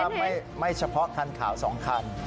ผมว่าไม่เฉพาะคันขาว๒คัน